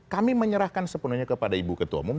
kami menyerahkan sepenuhnya kepada ibu ketua umum